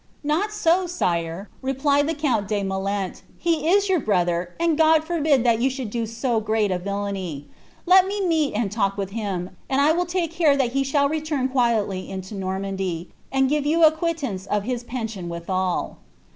"' Not mv eint," replied the count de Melleni, « he is yotir brother, and God Imbiif tliat you should do so great a villany; let me meet and talk with bin, and I will take care that he shall return quietly into Normandy, lad give you acquittance of his pension withal."